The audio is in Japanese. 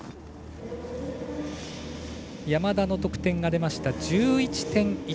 山田の得点が出ました。１１．１６６。